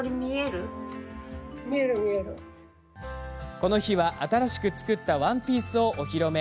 この日は新しく作ったワンピースをお披露目。